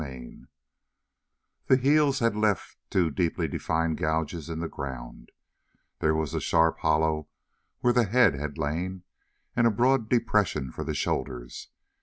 CHAPTER 27 The heels had left two deeply defined gouges in the ground; there was a sharp hollow where the head had lain, and a broad depression for the shoulders.